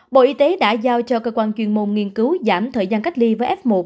bộ y tế đã giao cho cơ quan chuyên môn nghiên cứu giảm thời gian cách ly với f một